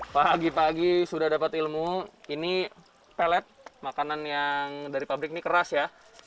pagi pagi sudah dapat ilmu ini pelet makanan yang dari pabrik ini keras ya